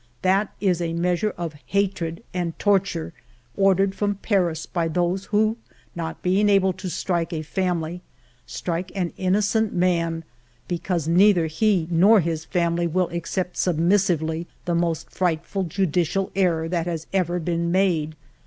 That is a measure of hatred and torture, ordered from Paris by those who, not being able to strike a family, strike an innocent man, because neither he nor his family will accept submissively the most frightful judicial error that has ever been made.